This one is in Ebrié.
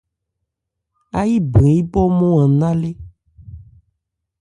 Áyí brɛn yípɔ nmɔ́n an ná lé.